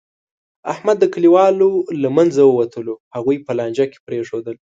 احمد د کلیوالو له منځه ووتلو، هغوی په لانجه کې پرېښودل.